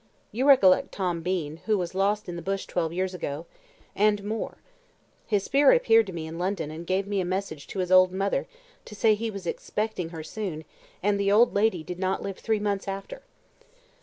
You recollect Tom Bean, who was lost in the bush twelve years ago, and more; his spirit appeared to me in London, and gave me a message to his old mother, to say he was expecting her soon; and the old lady did not live three months after."